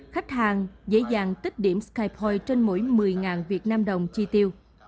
khách hàng dễ dàng tích điểm skypoint trên mỗi một mươi vnđ chi tiêu